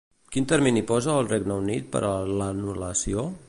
Quin termini posa el Regne Unit per a l'anul·lació?